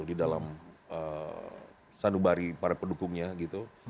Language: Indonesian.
di dalam sanubari para pendukungnya gitu